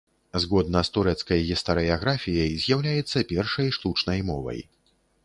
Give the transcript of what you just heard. Згодна з турэцкай гістарыяграфіяй, з'яўляецца першай штучнай мовай.